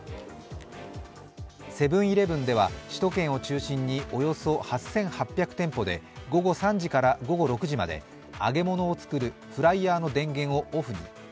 セブン−イレブンでは首都圏を中心におよそ８８００店舗で午後３時から午後６時まで揚げ物を作るフライヤーの電源をオフに。